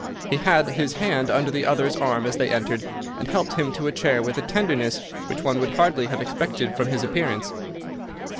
He had his hand under the other's arm as they entered, and helped him to a chair with a tenderness which one would hardly have expected from his appearance.